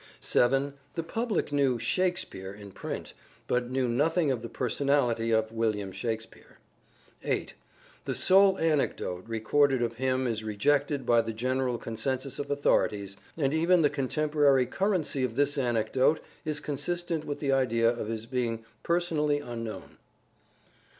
7. The public knew " Shakespeare " in print, but knew nothing of the personality of William Shakspere. 8. The sole anecdote recorded of him is rejected by the general consensus of authorities, and even the contemporary currency of this anecdote is consistent with the idea of his being personally unknown.